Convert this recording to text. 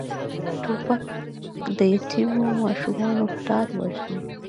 توپک د یتیمو ماشومانو پلار وژني.